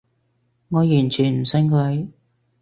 我完全唔信佢